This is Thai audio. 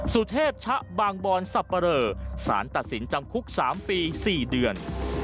สุเทพชะบางบอนสับปะเรอสารตัดสินจำคุก๓ปี๔เดือน